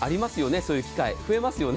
そういう機会、増えますよね。